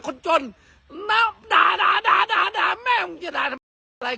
คนจนนะด่าด่าด่าด่าด่าแม่มึงอย่าด่าอะไร